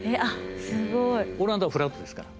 オランダはフラットですから。